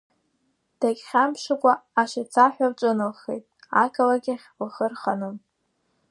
Дагьхьамԥшыкәа ашацаҳәа лҿыналхеит, ақалақь ахь лхы рханы.